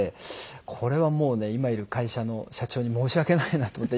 これはもうね今いる会社の社長に申し訳ないなと思って。